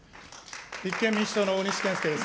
立憲民主党の大西健介です。